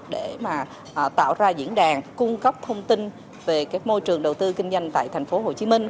để mà tạo ra diễn đàn cung cấp thông tin về cái môi trường đầu tư kinh doanh tại thành phố hồ chí minh